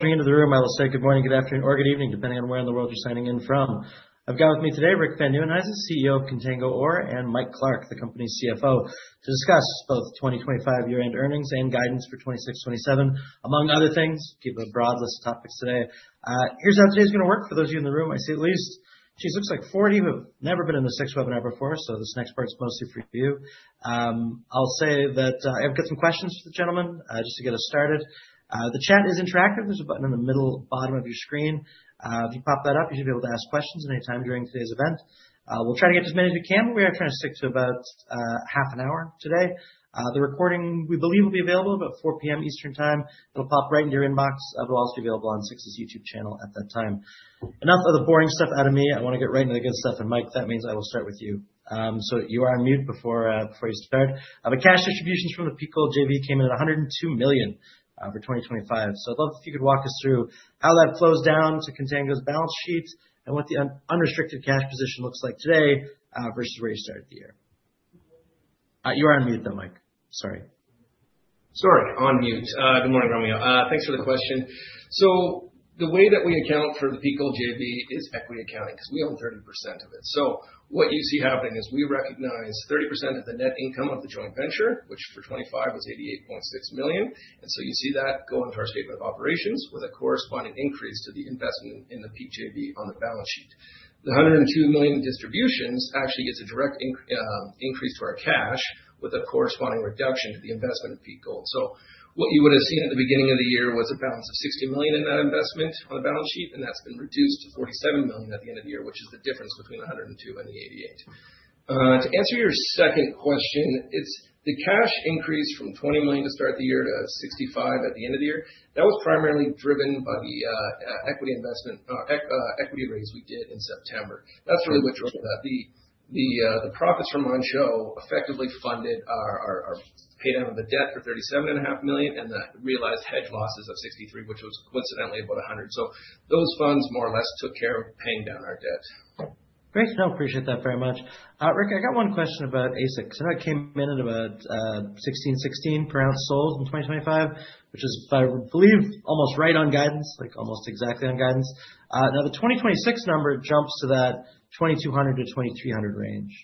Into the room, I will say good morning, good afternoon, or good evening, depending on where in the world you're signing in from. I've got with me today Rick Van Nieuwenhuyse, CEO of Contango Ore, and Mike Clark, the company's CFO, to discuss both 2025 year-end earnings and guidance for 2026, 2027, among other things. Keep a broad list of topics today. Here's how today's gonna work for those of you in the room. I see at least, geez, looks like 40 who have never been in the 6ix Webinar before. This next part is mostly for you. I'll say that, I've got some questions for the gentleman, just to get us started. The chat is interactive. There's a button on the middle bottom of your screen. If you pop that up, you should be able to ask questions any time during today's event. We'll try to get to as many as we can. We are trying to stick to about half an hour today. The recording, we believe, will be available about 4:00 P.M. Eastern time. It'll pop right in your inbox. It will also be available on 6ix's YouTube channel at that time. Enough of the boring stuff out of me. I wanna get right into the good stuff. Mike, that means I will start with you. So you are on mute before you start. The cash distributions from the Peak Gold JV came in at $102 million for 2025. I'd love if you could walk us through how that flows down to Contango's balance sheet and what the unrestricted cash position looks like today, versus where you started the year. You are on mute, though, Mike. Sorry. Good morning, everyone. Thanks for the question. The way that we account for the Peak Gold JV is equity accounting, because we own 30% of it. What you see happening is we recognize 30% of the net income of the joint venture, which for 2025 was $88.6 million. You see that go into our statement of operations with a corresponding increase to the investment in the PJV on the balance sheet. The $102 million distributions actually is a direct increase to our cash with a corresponding reduction to the investment of Peak Gold. What you would've seen at the beginning of the year was a balance of $60 million in that investment on the balance sheet, and that's been reduced to $47 million at the end of the year, which is the difference between the 102 and the 88. To answer your second question, it's the cash increase from $20 million to start the year to $65 million at the end of the year. That was primarily driven by the equity raise we did in September. That's really what drove that. The profits from Manh Choh effectively funded our pay down of the debt for $37.5 million, and the realized hedge losses of $63 million, which was coincidentally about $100 million. Those funds more or less took care of paying down our debt. Great. No, I appreciate that very much. Rick, I got one question about AISC. That came in at about $16 /oz sold in 2025, which is, I believe, almost right on guidance, like almost exactly on guidance. Now the 2026 number jumps to that $2,200-$2,300 range.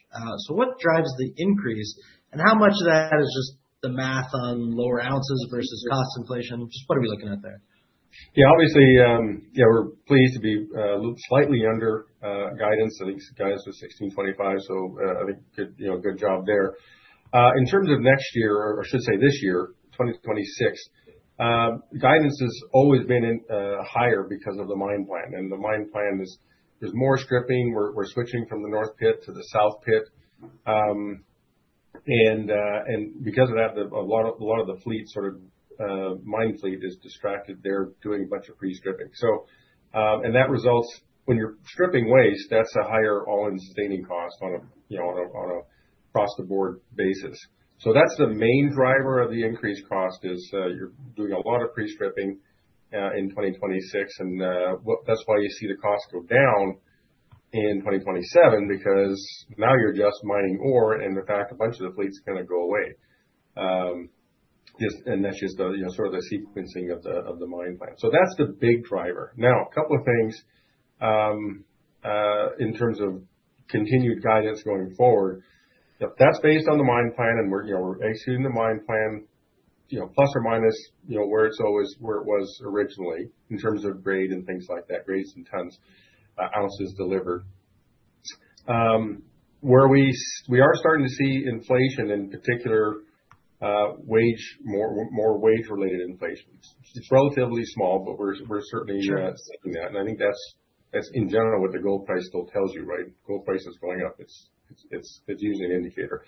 What drives the increase, and how much of that is just the math on lower ounces versus cost inflation? Just what are we looking at there? Yeah. Obviously, yeah, we're pleased to be slightly under guidance. I think guidance was $1,625, so I think good, you know, good job there. In terms of next year, or I should say this year, 2026, guidance has always been higher because of the mine plan. The mine plan is there's more stripping. We're switching from the north pit to the south pit. Because of that, a lot of the fleet sort of mine fleet is distracted. They're doing a bunch of pre-stripping. That results when you're stripping waste, that's a higher all-in sustaining cost on a you know across the board basis. That's the main driver of the increased cost is, you're doing a lot of pre-stripping, in 2026. That's why you see the cost go down in 2027, because now you're just mining ore, and in fact, a bunch of the fleet's gonna go away. That's just the, you know, sort of the sequencing of the mine plan. That's the big driver. Now, a couple of things, in terms of continued guidance going forward. If that's based on the mine plan, and we're, you know, executing the mine plan, you know, plus or minus, you know, where it was originally in terms of grade and things like that, grades and tons, ounces delivered. where we are starting to see inflation, in particular, wage, more wage-related inflation. It's relatively small, but we're certainly- Sure. Seeing that. I think that's in general what the gold price still tells you, right? Gold price is going up. It's usually an indicator.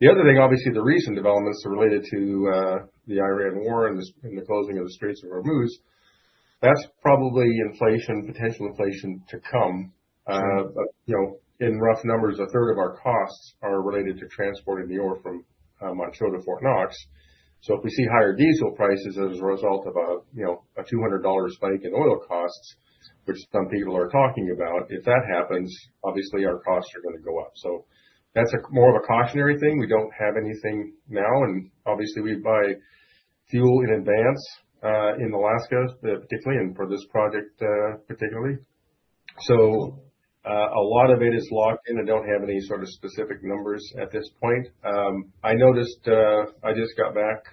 The other thing, obviously, the recent developments related to the Iran War and the closing of the Strait of Hormuz, that's probably inflation, potential inflation to come. Sure. You know, in rough numbers, a third of our costs are related to transporting the ore from Manh Choh to Fort Knox. If we see higher diesel prices as a result of a, you know, a $200 spike in oil costs, which some people are talking about, if that happens, obviously our costs are gonna go up. That's more of a cautionary thing. We don't have anything now, and obviously we buy fuel in advance, in Alaska, particularly and for this project, particularly. A lot of it is locked in. I don't have any sort of specific numbers at this point. I noticed, I just got back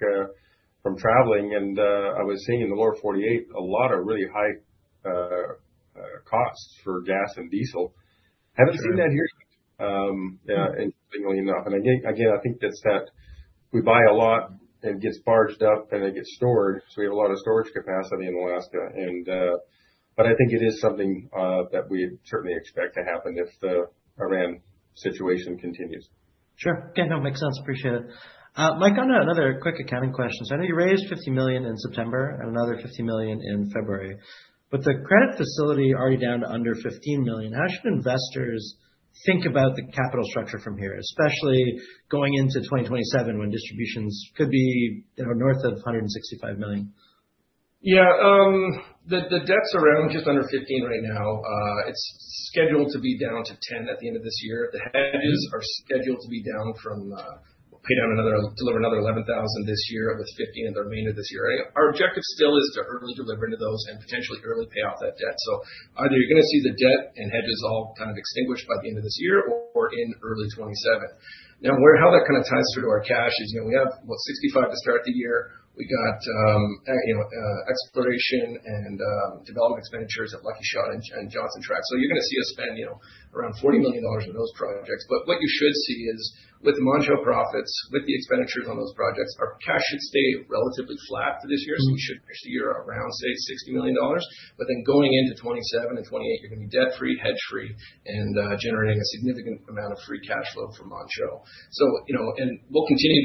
from traveling, and I was seeing in the lower 48 a lot of really high costs for gas and diesel. Sure. Haven't seen that here, interestingly enough. Again, I think we buy a lot and it gets barged up and it gets stored, so we have a lot of storage capacity in Alaska. But I think it is something that we certainly expect to happen if the Iran situation continues. Sure. Again, it makes sense. Appreciate it. Mike, on another quick accounting question. I know you raised $50 million in September and another $50 million in February, but the credit facility already down to under $15 million. How should investors think about the capital structure from here, especially going into 2027 when distributions could be, you know, north of $165 million? Yeah. The debt's around just under $15 million right now. It's scheduled to be down to $10 million at the end of this year. The hedges are scheduled to be down from. We'll pay down another, deliver another 11,000 this year, with 15 in the remainder of this year. Our objective still is to early deliver into those and potentially early pay off that debt. Either you're gonna see the debt and hedges all kind of extinguished by the end of this year or in early 2027. Now, how that kind of ties through to our cash is, you know, we have what 65 to start the year. We got exploration and development expenditures at Lucky Shot and Johnson Tract. You're gonna see us spend, you know, around $40 million on those projects. What you should see is with the Manh Choh profits, with the expenditures on those projects, our cash should stay relatively flat for this year. You should see year around, say, $60 million. Going into 2027 and 2028, you're gonna be debt free, hedge free, and generating a significant amount of free cash flow from Manh Choh. You know, and we'll continue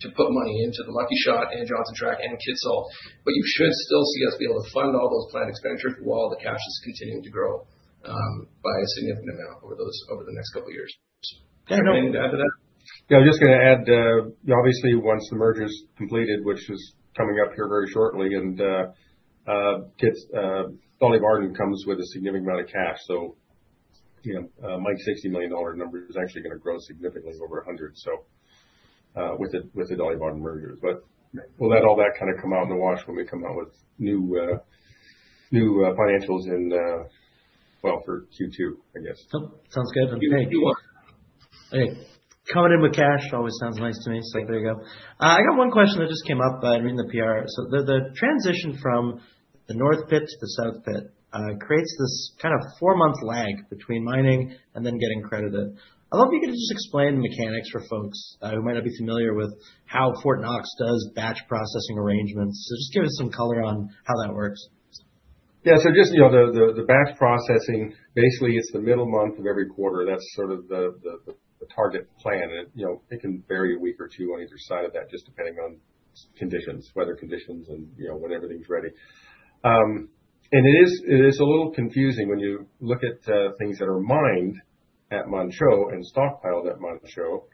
to put money into the Lucky Shot and Johnson Tract and Kitsault, but you should still see us be able to fund all those planned expenditures while the cash is continuing to grow by a significant amount over the next couple of years. Anything to add to that? Yeah, I'm just gonna add, obviously once the merger is completed, which is coming up here very shortly, Dolly Varden comes with a significant amount of cash. So, you know, Mike's $60 million number is actually gonna grow significantly over $100 million with the Dolly Varden merger. We'll let all that kind of come out in the wash when we come out with new financials in, well, for Q2, I guess. Sounds good. You are. Okay. Coming in with cash always sounds nice to me. It's like, there you go. I got one question that just came up, reading the PR. The transition from the North Pit to the South Pit creates this kind of four-month lag between mining and then getting credited. I wonder if you could just explain the mechanics for folks who might not be familiar with how Fort Knox does batch processing arrangements. Just give us some color on how that works. Yeah. Just, you know, the batch processing, basically, it's the middle month of every quarter. That's sort of the target plan. You know, it can vary a week or two on either side of that, just depending on conditions, weather conditions and, you know, when everything's ready. It is a little confusing when you look at things that are mined at Manh Choh and stockpiled at Manh Choh.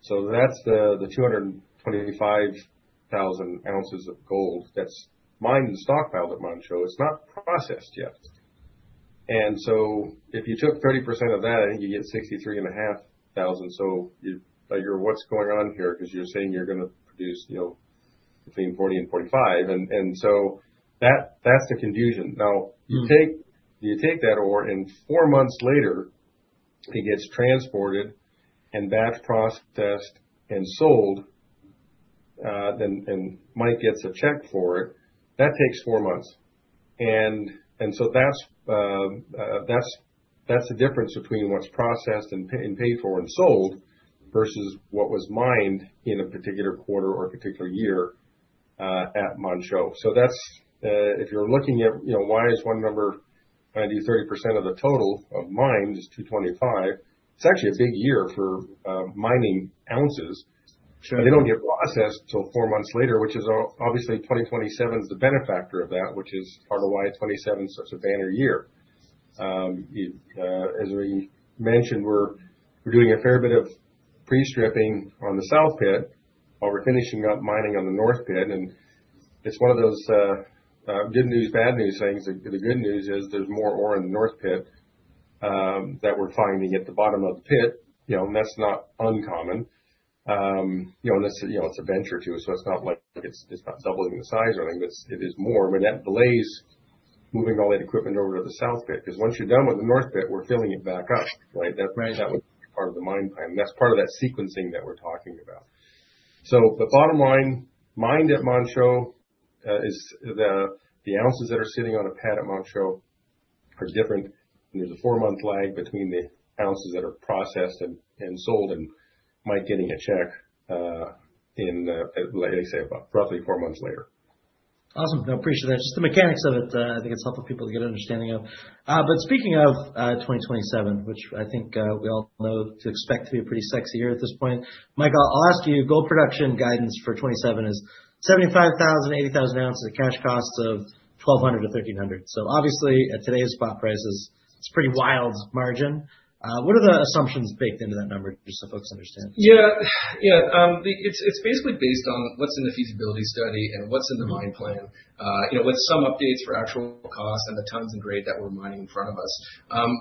That's the 225,000 oz of gold that's mined and stockpiled at Manh Choh. It's not processed yet. If you took 30% of that, you get 63,500. You're like, "What's going on here?" Because you're saying you're gonna produce, you know, between 40 and 45. That's the confusion. You take that ore, and four months later it gets transported and batch processed and sold, and Mike gets a check for it. That takes four months. That's the difference between what's processed and paid for and sold versus what was mined in a particular quarter or a particular year at Manh Choh. If you're looking at, you know, why is one number only 30% of the total of mined is 225, it's actually a big year for mining ounces. Sure. They don't get processed till four months later, which is obviously 2027 is the benefactor of that, which is part of why 2027 is such a banner year. As we mentioned, we're doing a fair bit of pre-stripping on the South Pit while we're finishing up mining on the North Pit. It's one of those good news, bad news things. The good news is there's more ore in the North Pit that we're finding at the bottom of the pit. You know, and that's not uncommon. You know, it's a venture, too, so it's not like it's not doubling the size or anything. But it is more. That delays moving all that equipment over to the South Pit, because once you're done with the North Pit, we're filling it back up, right? Right. That was part of the mine plan. That's part of that sequencing that we're talking about. The bottom line mined at Manh Choh is the ounces that are sitting on a pad at Manh Choh is different. There's a four-month lag between the ounces that are processed and sold and Mike getting a check in, like I say, about roughly four months later. Awesome. No, appreciate that. Just the mechanics of it, I think it's helpful for people to get an understanding of. Speaking of 2027, which I think we all know to expect to be a pretty sexy year at this point. Mike, I'll ask you. Gold production guidance for 2027 is 75,000-80,000 oz at cash costs of $1,200-$1,300. So obviously at today's spot prices, it's pretty wild margin. What are the assumptions baked into that number, just so folks understand? Yeah. Yeah. It's basically based on what's in the feasibility study and what's in the mine plan, you know, with some updates for actual costs and the tons and grade that we're mining in front of us.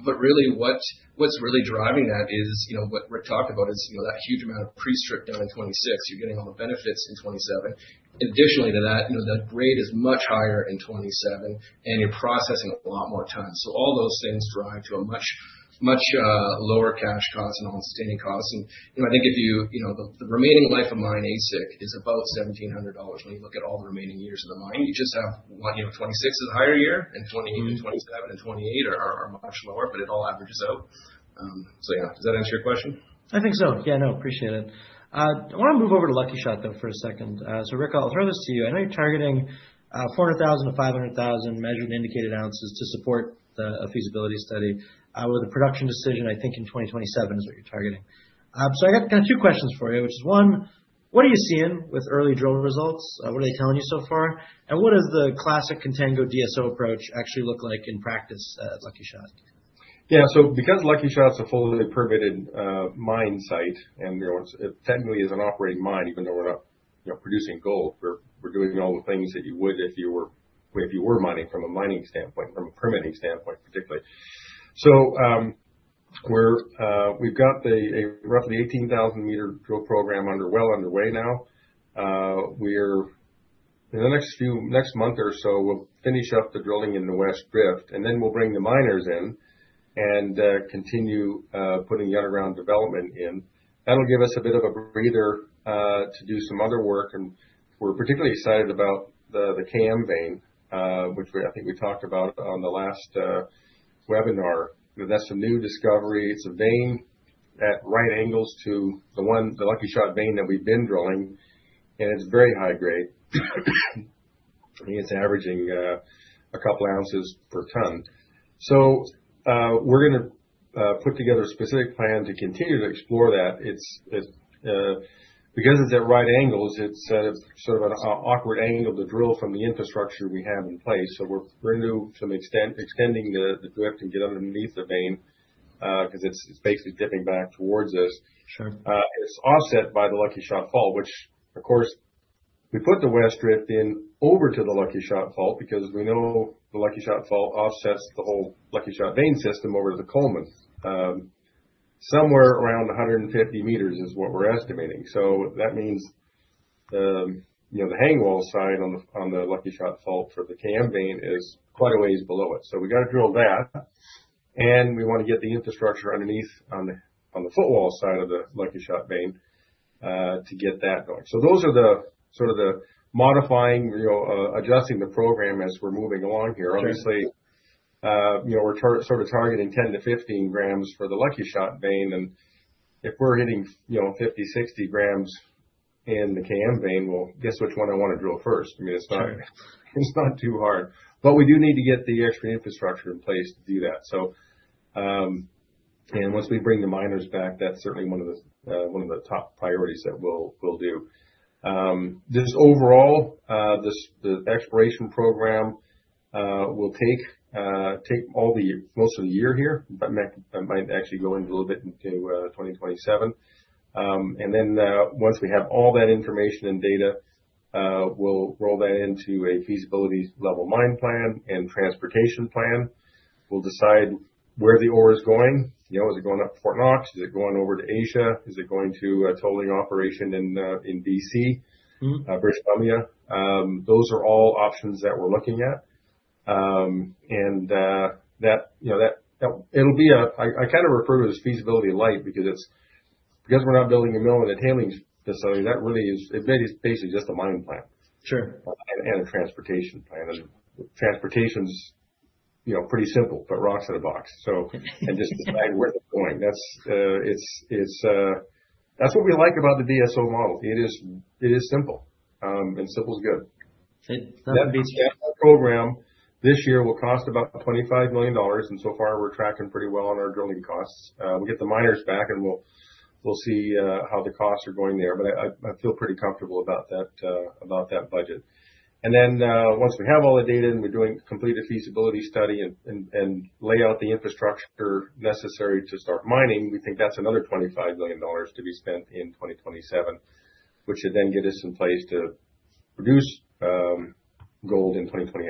But really what's really driving that is, you know, what Rick talked about is, you know, that huge amount of pre-strip done in 2026. You're getting all the benefits in 2027. Additionally to that, you know, that grade is much higher in 2027 and you're processing a lot more tons. So all those things drive to a much lower cash cost and all sustaining costs. I think the remaining life of mine AISC is about $1,700 when you look at all the remaining years of the mine. You just have one, you know, 2026 is a higher year, and 2027 and 2028 are much lower, but it all averages out. So yeah. Does that answer your question? I think so. Yeah. No, appreciate it. I wanna move over to Lucky Shot, though, for a second. So Rick, I'll throw this to you. I know you're targeting 400,000-500,000 measured and indicated ounces to support a feasibility study with a production decision, I think in 2027 is what you're targeting. So I got two questions for you, which is, one, what are you seeing with early drill results? What are they telling you so far? And what does the classic Contango DSO approach actually look like in practice at Lucky Shot? Yeah. Because Lucky Shot's a fully permitted mine site, and, you know, it's, it technically is an operating mine, even though we're not, you know, producing gold, we're doing all the things that you would if you were mining from a mining standpoint, from a permitting standpoint, particularly. We're, we've got a roughly 18,000-meter drill program under way now. We're in the next month or so, we'll finish up the drilling in the West Drift, and then we'll bring the miners in and continue putting underground development in. That'll give us a bit of a breather to do some other work. We're particularly excited about the Cam Vein, which we, I think we talked about on the last webinar. You know, that's a new discovery. It's a vein at right angles to the one, the Lucky Shot vein that we've been drilling, and it's very high grade. I mean, it's averaging a couple ounces per ton. We're gonna put together a specific plan to continue to explore that. It's because it's at right angles, it's at a sort of an awkward angle to drill from the infrastructure we have in place. We're going to some extent extending the drift to get underneath the vein, 'cause it's basically dipping back towards us. Sure. It's offset by the Lucky Shot Fault, which of course we put the West Drift in over to the Lucky Shot Fault because we know the Lucky Shot Fault offsets the whole Lucky Shot vein system over to the Coleman. Somewhere around 150 meters is what we're estimating. That means the, you know, the hangwall side on the, on the Lucky Shot Fault for the Cam Vein is quite a ways below it. We gotta drill that, and we wanna get the infrastructure underneath on the, on the footwall side of the Lucky Shot vein, to get that going. Those are the sort of the modifying, you know, adjusting the program as we're moving along here. Sure. Obviously, you know, we're targeting 10-15 grams for the Lucky Shot vein, and if we're hitting, you know, 50, 60 grams in the Cam Vein, well, guess which one I wanna drill first? I mean, it's not- Sure. It's not too hard. We do need to get the extra infrastructure in place to do that. Once we bring the miners back, that's certainly one of the top priorities that we'll do. Just overall, the exploration program will take most of the year here. That might actually go into a little bit into 2027. Then, once we have all that information and data, we'll roll that into a feasibility level mine plan and transportation plan. We'll decide where the ore is going. You know, is it going up to Fort Knox? Is it going over to Asia? Is it going to a tolling operation in BC? Mm-hmm. British Columbia. Those are all options that we're looking at. You know, that it'll be a feasibility light. I kind of refer to it as feasibility light because we're not building a mill and a handling facility. It really is basically just a mining plan. Sure. A transportation plan. Transportation's, you know, pretty simple. Put rocks in a box. Just decide where they're going. That's it. That's what we like about the DSO model. It is simple. Simple's good. Sure. That being said, our program this year will cost about $25 million, and so far we're tracking pretty well on our drilling costs. We'll get the miners back and we'll see how the costs are going there. I feel pretty comfortable about that budget. Once we have all the data and complete a feasibility study and lay out the infrastructure necessary to start mining, we think that's another $25 million to be spent in 2027, which should then get us in place to produce gold in 2028.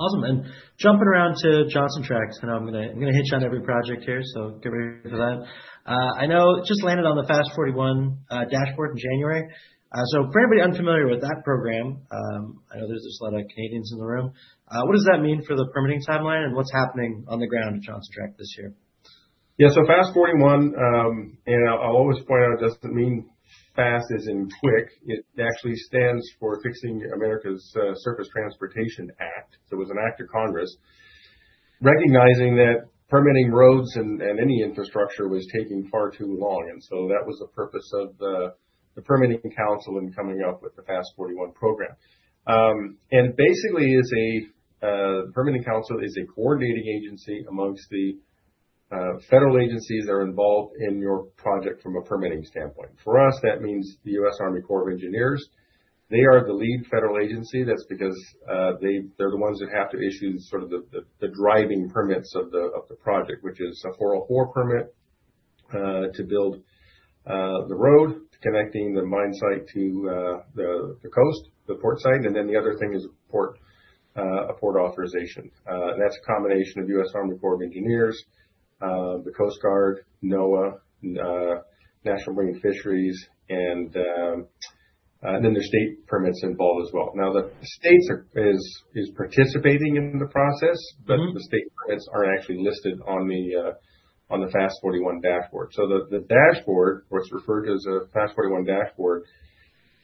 Awesome. Jumping around to Johnson Tract. I'm gonna hit you on every project here, so get ready for that. I know it just landed on the FAST-41 dashboard in January. For anybody unfamiliar with that program, I know there's a lot of Canadians in the room. What does that mean for the permitting timeline, and what's happening on the ground at Johnson Tract this year? Yeah. FAST-41, and I'll always point out it doesn't mean fast as in quick. It actually stands for Fixing America's Surface Transportation Act. It was an act of Congress recognizing that permitting roads and any infrastructure was taking far too long. That was the purpose of the permitting council in coming up with the FAST-41 program. Basically, a permitting council is a coordinating agency amongst the federal agencies that are involved in your project from a permitting standpoint. For us, that means the U.S. Army Corps of Engineers. They are the lead federal agency. That's because they're the ones that have to issue sort of the dredging permits of the project, which is a 404 permit, to build the road connecting the mine site to the coast, the port site. Then the other thing is a port authorization. That's a combination of U.S. Army Corps of Engineers, the U.S. Coast Guard, NOAA, and National Marine Fisheries Service, and then there's state permits involved as well. Now, the states are participating in the process. Mm-hmm. The state permits aren't actually listed on the FAST-41 dashboard. The dashboard, what's referred to as a FAST-41 dashboard,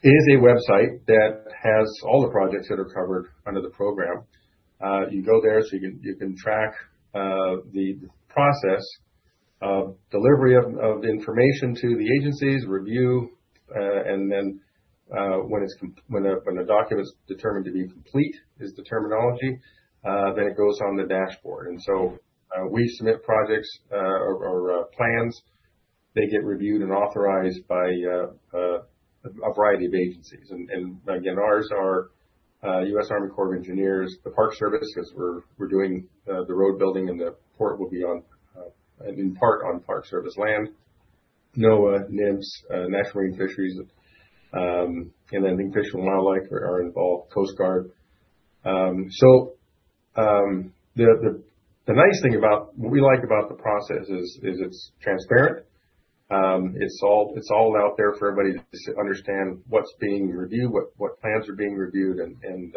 is a website that has all the projects that are covered under the program. You can go there. You can track the process of delivery of the information to the agencies, review, and then when a document's determined to be complete is the terminology, then it goes on the dashboard. We submit projects or plans. They get reviewed and authorized by a variety of agencies. Again, ours are U.S. Army Corps of Engineers, the Park Service, because we're doing the road building and the port will be on, I mean, part on Park Service land. NOAA, NMFS, National Marine Fisheries, and then Fish and Wildlife are involved, Coast Guard. What we like about the process is it's transparent. It's all out there for everybody to understand what's being reviewed, what plans are being reviewed and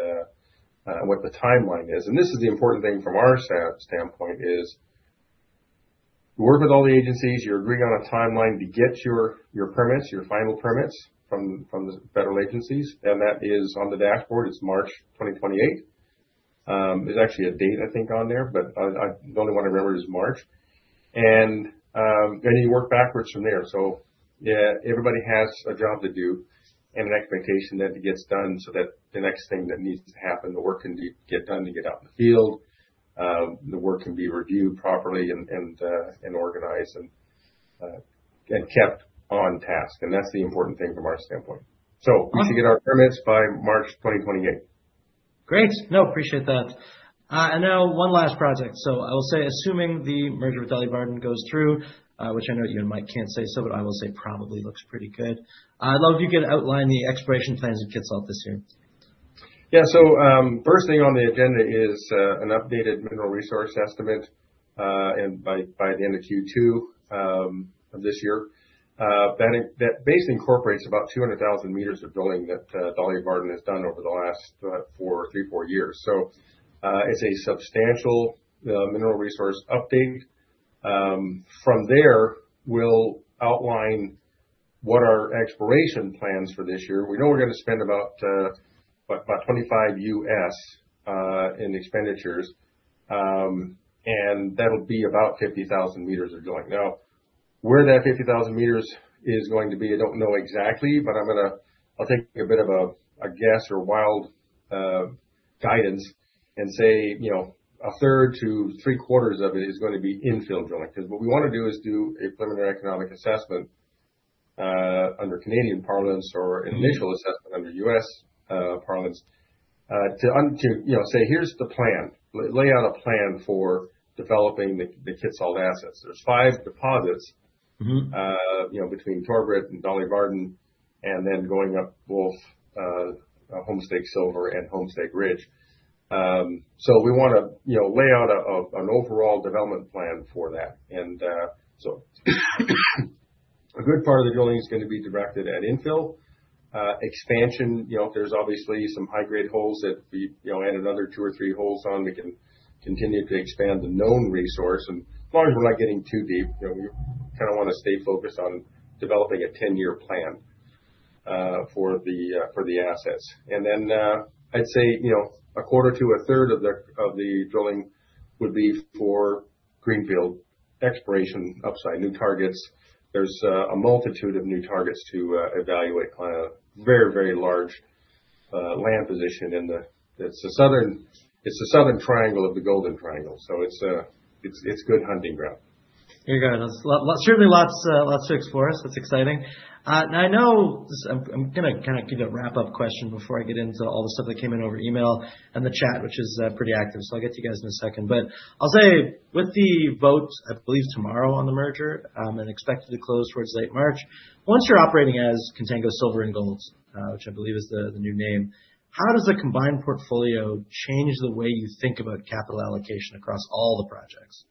what the timeline is. This is the important thing from our standpoint is you work with all the agencies, you're agreeing on a timeline to get your permits, your final permits from the federal agencies, and that is on the dashboard. It's March 2028. There's actually a date, I think, on there, but the only one I remember is March. Then you work backwards from there. Yeah, everybody has a job to do and an expectation that it gets done so that the next thing that needs to happen, the work can be get done to get out in the field, the work can be reviewed properly and organized and kept on task. That's the important thing from our standpoint. We should get our permits by March 2028. Great. No, appreciate that. Now one last project. I'll say assuming the merger with Dolly Varden goes through, which I know you and Mike can't say so, but I will say probably looks pretty good. I'd love if you could outline the exploration plans of Kitsault this year. Yeah. First thing on the agenda is an updated mineral resource estimate and by the end of Q2 of this year. That base incorporates about 200,000 meters of drilling that Dolly Varden has done over the last three, four years. It's a substantial mineral resource update. From there, we'll outline what our exploration plans for this year. We know we're gonna spend about what? About $25 million in expenditures. That'll be about 50,000 m of drilling. Now, where that 50,000 meters is going to be, I don't know exactly, but I'll take a bit of a guess or wild guidance and say, you know, a third to three quarters of it is gonna be infill drilling. 'Cause what we wanna do is do a preliminary economic assessment under Canadian parlance or an initial assessment under U.S. parlance to, you know, say, "Here's the plan." Lay out a plan for developing the Kitsault assets. There's five deposits. Mm-hmm. You know, between Corbet and Dolly Varden, and then going up both, Homestake Silver and Homestake Ridge. We wanna, you know, lay out an overall development plan for that. A good part of the drilling is gonna be directed at infill expansion. You know, there's obviously some high grade holes that we, you know, add another two or three holes on, we can continue to expand the known resource. As long as we're not getting too deep, you know, we kinda wanna stay focused on developing a 10-year plan for the assets. I'd say, you know, a quarter to a third of the drilling would be for greenfield exploration, upside new targets. There's a multitude of new targets to evaluate on a very large land position. It's the southern triangle of the Golden Triangle. It's good hunting ground. There you go. That's certainly lots to explore, so that's exciting. Now I know I'm gonna kinda give a wrap up question before I get into all the stuff that came in over email and the chat, which is pretty active. I'll get to you guys in a second. I'll say, with the vote, I believe tomorrow on the merger, and expected to close towards late March, once you're operating as Contango Silver & Gold, which I believe is the new name, how does the combined portfolio change the way you think about capital allocation across all the projects?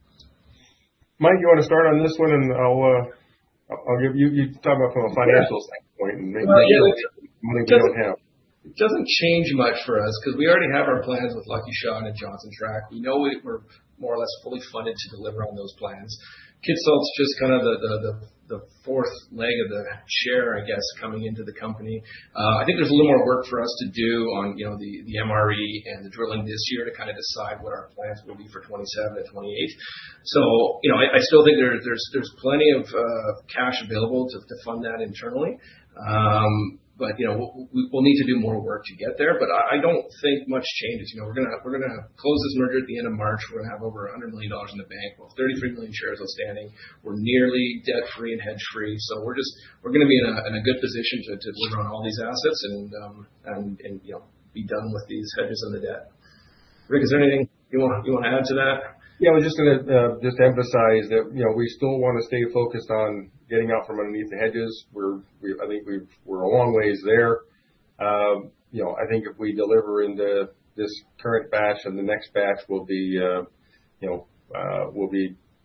Mike, you wanna start on this one, and I'll give you. You talk about it from a financial standpoint. Yeah. Maybe the money we don't have. It doesn't change much for us 'cause we already have our plans with Lucky Shot and Johnson Tract. We know we're more or less fully funded to deliver on those plans. Kitsault's just kind of the fourth leg of the chair, I guess, coming into the company. I think there's a little more work for us to do on, you know, the MRE and the drilling this year to kinda decide what our plans will be for 2027 to 2028. You know, I still think there's plenty of cash available to fund that internally. You know, we'll need to do more work to get there. I don't think much changes. You know, we're gonna close this merger at the end of March. We're gonna have over $100 million in the bank. We'll have 33 million shares outstanding. We're nearly debt free and hedge free. We're gonna be in a good position to work on all these assets and, you know, be done with these hedges and the debt. Rick, is there anything you wanna add to that? Yeah. I was just gonna just emphasize that, you know, we still wanna stay focused on getting out from underneath the hedges. I think we're a long ways there. You know, I think if we deliver in this current batch and the next batch, we'll be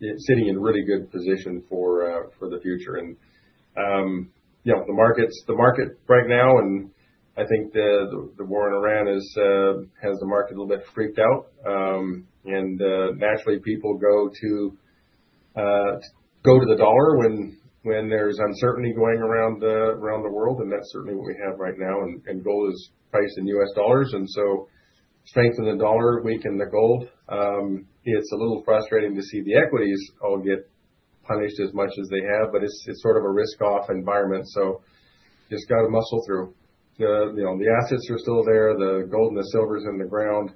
sitting in a really good position for the future. You know, the market right now, and I think the war in Iran has the market a little bit freaked out. Naturally people go to the dollar when there's uncertainty going around the world, and that's certainly what we have right now. Gold is priced in U.S. dollars, and so strength in the dollar weakens gold. It's a little frustrating to see the equities all get punished as much as they have, but it's sort of a risk off environment, so just gotta muscle through. You know, the assets are still there. The gold and the silver's in the ground.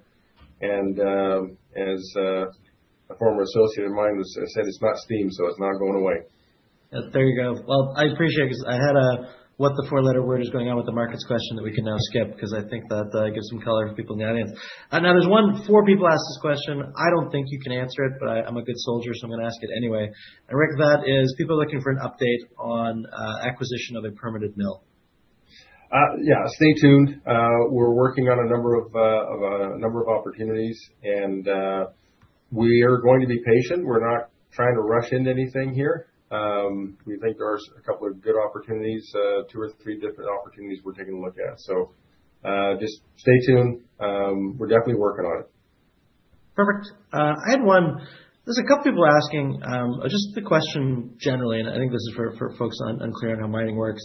As a former associate of mine once said, "It's not steam, so it's not going away. There you go. Well, I appreciate it because I had a what the four letter word is going on with the markets question that we can now skip because I think that gives some color to people in the audience. Now there's one. Four people asked this question. I don't think you can answer it, but I'm a good soldier, so I'm gonna ask it anyway. Rick, that is people are looking for an update on acquisition of a permitted mill. Yeah. Stay tuned. We're working on a number of opportunities, and we are going to be patient. We're not trying to rush into anything here. We think there are a couple of good opportunities, two or three different opportunities we're taking a look at. Just stay tuned. We're definitely working on it. Perfect. I had one. There's a couple people asking just the question generally, and I think this is for folks unclear on how mining works.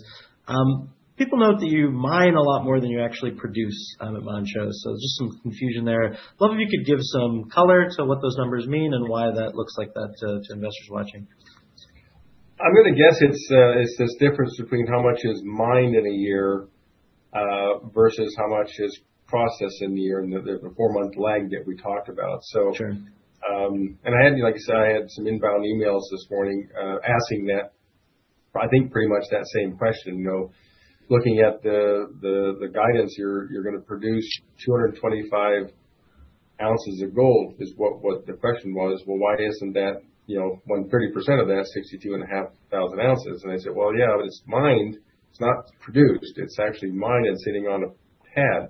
People note that you mine a lot more than you actually produce at Manh Choh. Just some confusion there. Love if you could give some color to what those numbers mean and why that looks like that to investors watching. I'm gonna guess it's this difference between how much is mined in a year versus how much is processed in the year and the four-month lag that we talked about. Sure. I had, like I said, some inbound emails this morning asking that. I think pretty much that same question, you know. Looking at the guidance, you're gonna produce 225 oz of gold. That was what the question was. Well, why isn't that, you know, 130% of that 62,500 oz? I said, "Well, yeah, but it's mined. It's not produced. It's actually mined and sitting on a pad."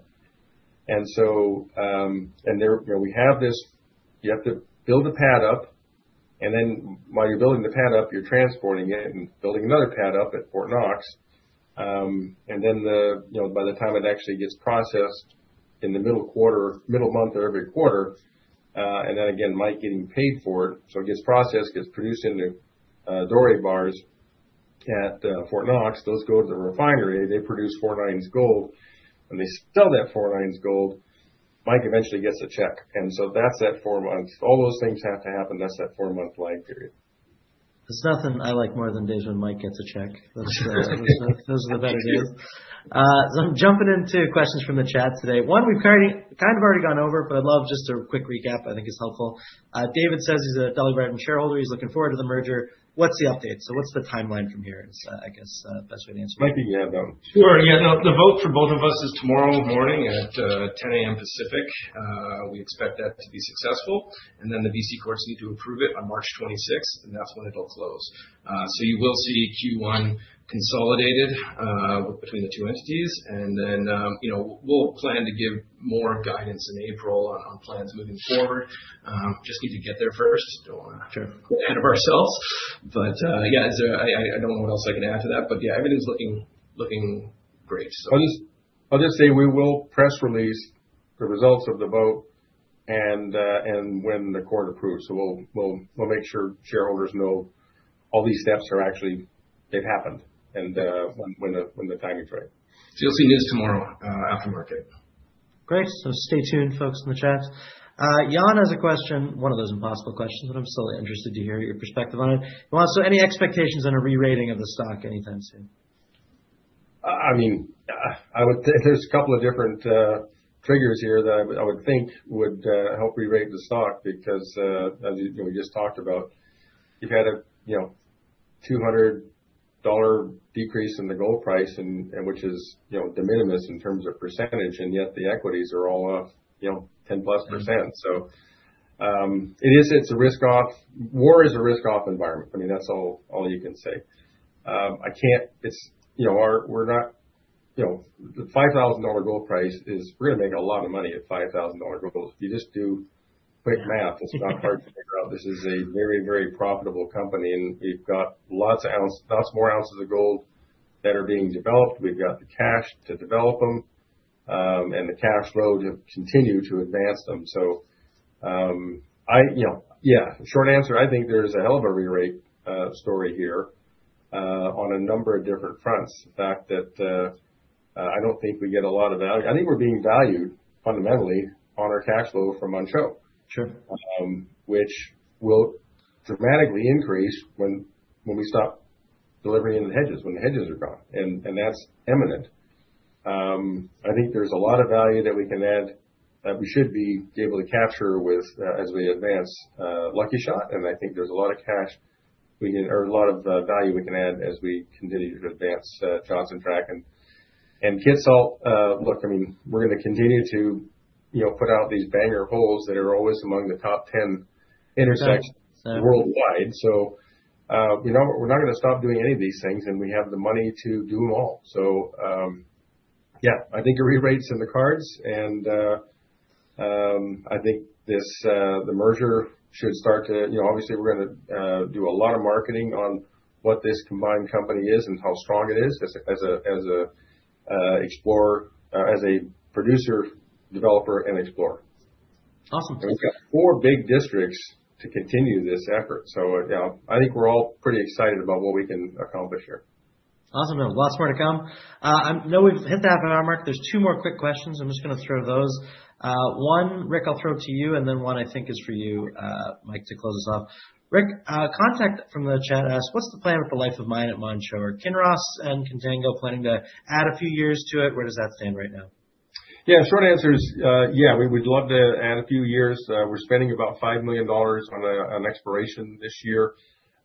There, where we have this, you have to build the pad up, and then while you're building the pad up, you're transporting it and building another pad up at Fort Knox. The, you know, by the time it actually gets processed in the middle quarter, middle month of every quarter, Mike getting paid for it. It gets processed, gets produced into doré bars at Fort Knox. Those go to the refinery. They produce four-nines gold, and they sell that four-nines gold. Mike eventually gets a check. That's that four months. All those things have to happen. That's that four-month lag period. There's nothing I like more than days when Mike gets a check. Those are the better days. I'm jumping into questions from the chat today. One we've kind of already gone over, but I'd love just a quick recap. I think it's helpful. David says he's a Dolly Varden shareholder. He's looking forward to the merger. What's the update? What's the timeline from here? I guess the best way to answer that. Mike, do you have that one too? Sure. Yeah, no. The vote for both of us is tomorrow morning at 10:00 A.M. Pacific. We expect that to be successful. The BC courts need to approve it on March twenty-sixth, and that's when it'll close. You will see Q1 consolidated between the two entities. You know, we'll plan to give more guidance in April on plans moving forward. Just need to get there first. Don't wanna. Sure. Yeah, as I don't know what else I can add to that. Yeah, everything's looking great, so. I'll just say we will press release the results of the vote and when the court approves. We'll make sure shareholders know all these steps are actually they've happened and when the timing's right. You'll see news tomorrow, after market. Great. Stay tuned, folks in the chat. Jan has a question, one of those impossible questions, but I'm still interested to hear your perspective on it. Jan, any expectations on a re-rating of the stock anytime soon? I mean, there is a couple of different triggers here that I would think would help re-rate the stock because, as you know, we just talked about. You have had a you know $200 decrease in the gold price and which is you know de minimis in terms of percentage, and yet the equities are all up you know 10%+. It is a risk-off environment. War is a risk-off environment. I mean, that is all you can say. It is you know or we are not you know the $5,000 gold price is. We are gonna make a lot of money at $5,000 gold. If you just do quick math, it is not hard to figure out. This is a very, very profitable company, and we've got lots of ounce, lots more ounces of gold that are being developed. We've got the cash to develop them, and the cash flow to continue to advance them. I, you know, yeah, short answer, I think there's a hell of a re-rate story here, on a number of different fronts. The fact that, I don't think we get a lot of value. I think we're being valued fundamentally on our cash flow from Manh Choh. Sure. Which will dramatically increase when we stop delivering in the hedges, when the hedges are gone. That's imminent. I think there's a lot of value that we can add that we should be able to capture with as we advance Lucky Shot, and I think there's a lot of cash we can or a lot of value we can add as we continue to advance Johnson Tract and Kitsault. Look, I mean, we're gonna continue to you know put out these banger holes that are always among the top 10 intersections worldwide. You know, we're not gonna stop doing any of these things, and we have the money to do them all. Yeah, I think a re-rate's in the cards, and I think the merger should start to You know, obviously we're gonna do a lot of marketing on what this combined company is and how strong it is as a producer, developer and explorer. Awesome. We've got four big districts to continue this effort. You know, I think we're all pretty excited about what we can accomplish here. Awesome. A lot more to come. I know we've hit the half an hour mark. There's two more quick questions. I'm just gonna throw those. One, Rick, I'll throw to you, and then one I think is for you, Mike, to close us off. Rick, a contact from the chat asks, what's the plan for the life of mine at Manh Choh? Are Kinross and Contango planning to add a few years to it? Where does that stand right now? Yeah, short answer is, yeah, we'd love to add a few years. We're spending about $5 million on exploration this year.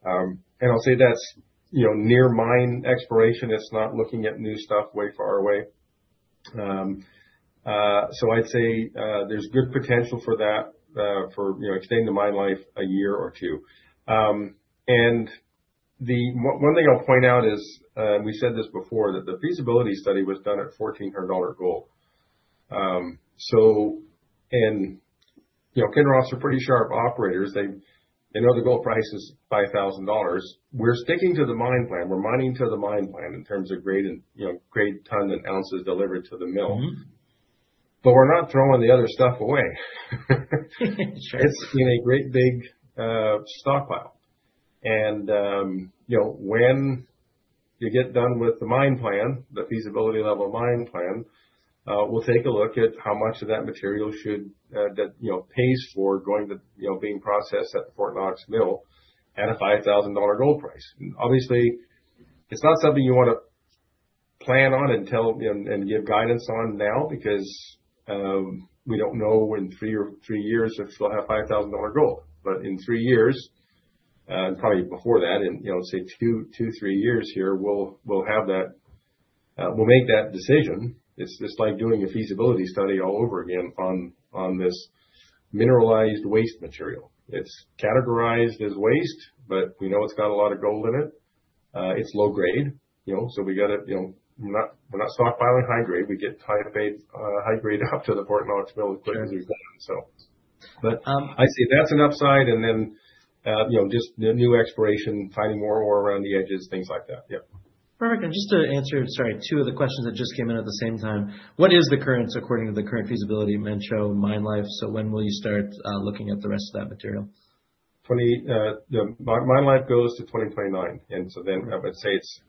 I'll say that's, you know, near mine exploration. It's not looking at new stuff way far away. I'd say, there's good potential for that, for, you know, extending the mine life a year or two. One thing I'll point out is, we said this before, that the feasibility study was done at $1,400 gold. You know, Kinross are pretty sharp operators. They know the gold price is $5,000. We're sticking to the mine plan. We're mining to the mine plan in terms of grade and, you know, grade, tonnage and ounces delivered to the mill. Mm-hmm. We're not throwing the other stuff away. Sure. It's in a great big stockpile. You know, when you get done with the mine plan, the feasibility level mine plan, we'll take a look at how much of that material should you know pays for going to you know being processed at the Fort Knox Mill at a $5,000 gold price. Obviously, it's not something you wanna plan on and tell and give guidance on now because we don't know in three years if we'll have $5,000 gold. In three years, probably before that, in you know say two, three years here, we'll have that, we'll make that decision. It's like doing a feasibility study all over again on this mineralized waste material. It's categorized as waste, but we know it's got a lot of gold in it. It's low grade, you know, so we gotta, you know, we're not stockpiling high grade. We get high grade out to the Fort Knox Mill as quick as we can. Sure. I see that's an upside and then, you know, just the new exploration, finding more ore around the edges, things like that. Yeah. All right. Just to answer, sorry, two other questions that just came in at the same time. What is the current, according to the current feasibility of Manh Choh mine life? When will you start looking at the rest of that material? The mine life goes to 2029. I would say it's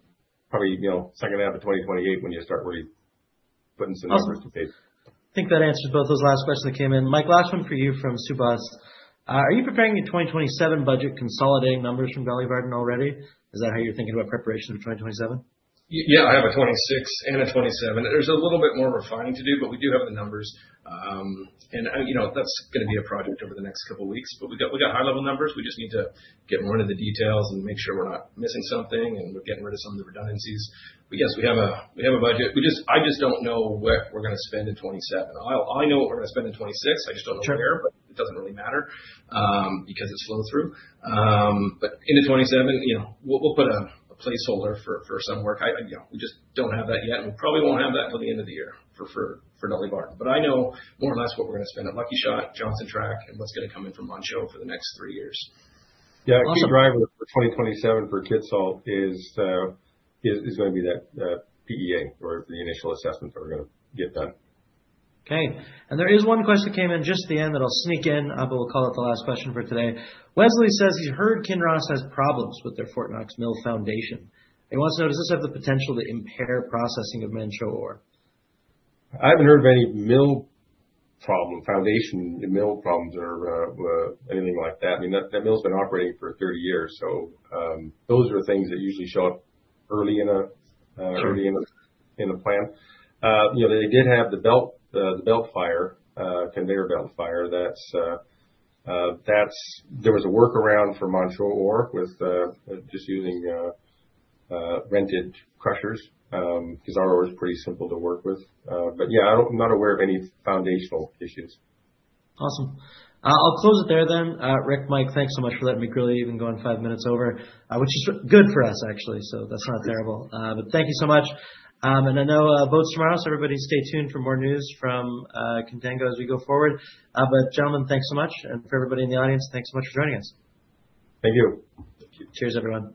probably, you know, second half of 2028 when you start really putting some numbers to paper. Awesome. Think that answers both those last questions that came in. Mike, last one for you from Subhash. Are you preparing the 2027 budget consolidating numbers from Dolly Varden already? Is that how you're thinking about preparation of 2027? Yeah, I have a 2026 and a 2027. There's a little bit more refining to do, but we do have the numbers. You know, that's gonna be a project over the next couple weeks. We got high level numbers. We just need to get more into the details and make sure we're not missing something and we're getting rid of some of the redundancies. Yes, we have a budget. I just don't know what we're gonna spend in 2027. I know what we're gonna spend in 2026. Sure. I just don't know where, but it doesn't really matter, because it's flow through. Into 2027, you know, we'll put a placeholder for some work. You know, we just don't have that yet, and we probably won't have that until the end of the year for Dolly Varden. I know more or less what we're gonna spend at Lucky Shot, Johnson Tract, and what's gonna come in from Manh Choh for the next three years. Awesome. Yeah. Key driver for 2027 for Kitsault is gonna be that PEA or the initial assessment that we're gonna get done. Okay. There is one question that came in just at the end that I'll sneak in, but we'll call it the last question for today. Wesley says he's heard Kinross has problems with their Fort Knox Mill foundation. He wants to know, does this have the potential to impair processing of Manh Choh ore? I haven't heard of any mill problem, foundation mill problems or anything like that. I mean, that mill's been operating for 30 years, so those are things that usually show up early in a Sure. Early in a plan. You know, they did have the belt fire, conveyor belt fire. There was a workaround for Manh Choh ore with just using rented crushers, because our ore is pretty simple to work with. Yeah, I don't. I'm not aware of any foundational issues. Awesome. I'll close it there then. Rick, Mike, thanks so much for letting me really even go on five minutes over, which is good for us actually, so that's not terrible. Thank you so much. I know boats tomorrow, so everybody stay tuned for more news from Contango as we go forward. Gentlemen, thanks so much. For everybody in the audience, thanks so much for joining us. Thank you. Thank you. Cheers, everyone.